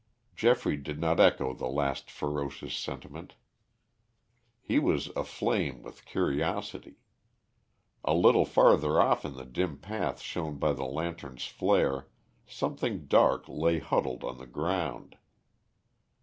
Geoffrey did not echo the last ferocious sentiment. He was aflame with curiosity. A little farther off in the dim path shown by the lantern's flare something dark lay huddled on the ground.